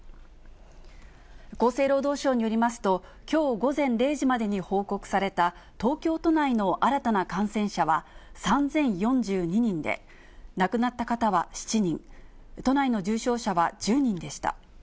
厚生労働省によりますと、きょう午前０時までに報告された東京都内の新たな感染者は３０４２人で、亡くなった方は７人、都内の重症者は１０人でした。